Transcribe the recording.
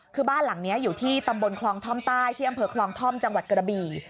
คือบ้านหลังนี้อยู่ที่ตำบลคลองท่อมใต้ที่อำเภอคลองท่อมจังหวัดกระบี่